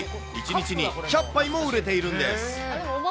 １日に１００杯も売れているんです。